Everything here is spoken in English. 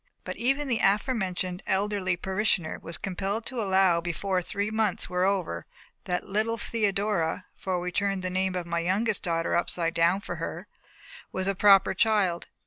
But even the aforementioned elderly parishioner was compelled to allow before three months were over that little Theodora for we turned the name of my youngest daughter upside down for her "was a proper child."